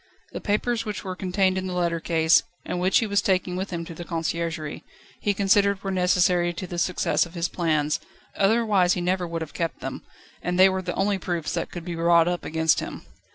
The papers which were contained in the letter case, and which he was taking with him to the Conciergerie, he considered were necessary to the success of his plans, otherwise he never would have kept them, and they were the only proofs that could be brought up against him.